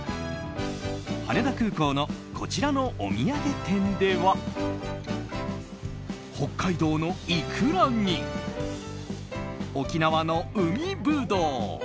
羽田空港のこちらのお土産店では北海道のイクラに沖縄の海ぶどう。